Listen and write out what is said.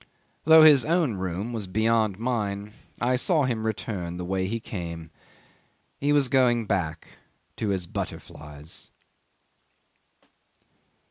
..." 'Though his own room was beyond mine I saw him return the way he came. He was going back to his butterflies.